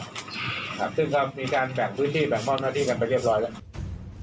ครับซึ่งก็มีการแบ่งพื้นที่แบ่งมอบหน้าที่กันไปเรียบร้อยแล้ว